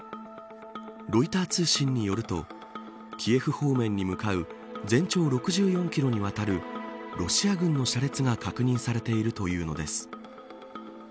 ロイター通信によるとキエフ方面に向かう全長６４キロにわたるロシア軍の車列が確認されているというのです。